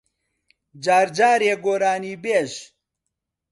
جار جارێ گۆرانیبێژ